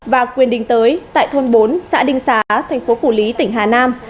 và quyền đình tới tại thôn bốn xã đinh xá thành phố phủ lý tỉnh hà nam